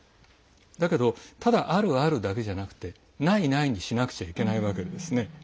だけど、ただあるあるだけじゃなくてないないにしなくちゃいけないんですね。